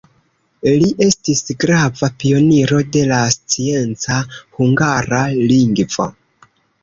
Li estis grava pioniro de la scienca hungara lingvo.